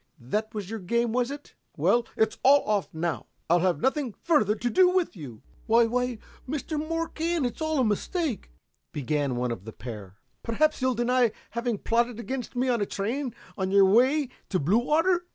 That was your game, was it? Well, it's all off now. I'll have nothing further to do with you." "Why why, Mr. Marquand, it's all a mistake!" began one of the pair. "Perhaps you'll deny having plotted against me on a train on your way to Bluewater."